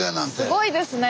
すごいですね。